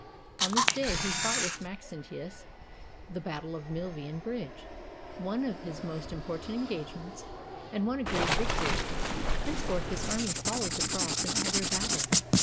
On this day he fought with Maxentius the battle of Milvian Bridge, one of his most important engagements, and won a great victory. Henceforth his army followed the cross in all their battles.